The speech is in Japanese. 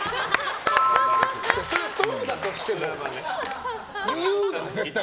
それはそうだとしても言うな、絶対。